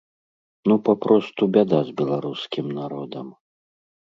Ну папросту бяда з беларускім народам.